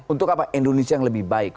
untuk apa indonesia yang lebih baik